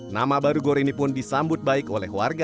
nama baru gor ini pun disambut baik oleh warga